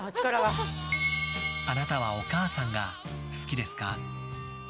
あなたはお母さんが好きですか？